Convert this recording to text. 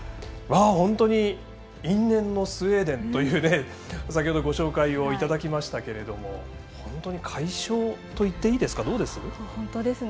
本当に因縁のスウェーデンというふうに先ほどご紹介をいただきましたけれども本当に快勝といっていいですか。